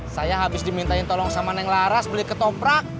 saya habis dimintain tolong sama neng laras beli ketoprak